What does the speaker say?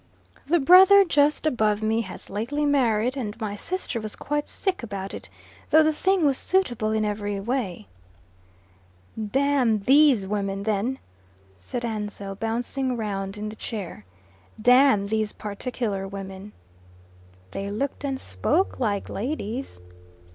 The brother just above me has lately married, and my sister was quite sick about it, though the thing was suitable in every way." "Damn THESE women, then," said Ansell, bouncing round in the chair. "Damn these particular women." "They looked and spoke like ladies."